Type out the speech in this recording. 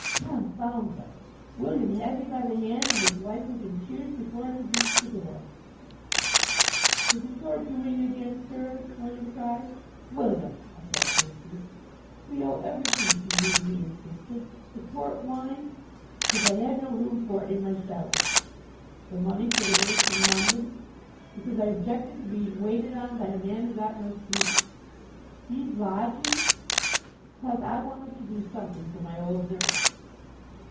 Confound them! William had me by the hand, and his wife was in tears before I could reach the door. "Is it your doing again, sir?" William cried. "William!" I said, fiercely. "We owe everything to you," he insisted. "The port wine " "Because I had no room for it in my cellar." "The money for the nurse in London " "Because I objected to being waited on by a man who got no sleep." "These lodgings " "Because I wanted to do something for my old nurse."